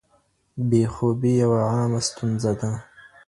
بې خوبي یوه عامه ستونزه ده.